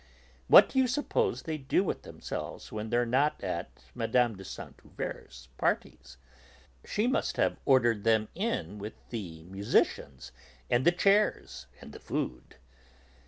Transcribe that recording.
What do you suppose they do with themselves when they're not at Mme. de Saint Euverte's parties? She must have ordered them in with the musicians and the chairs and the food.